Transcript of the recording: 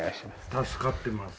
助かってます。